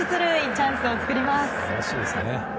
チャンスを作ります。